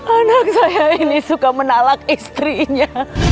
anak saya ini suka menalak istrinya